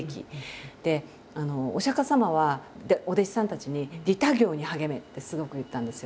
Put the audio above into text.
お釈迦様はお弟子さんたちに「利他行に励め」ってすごく言ったんですよ。